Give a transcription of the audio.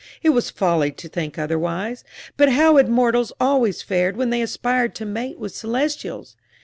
It was folly to think otherwise. But how had mortals always fared when they aspired to mate with celestials?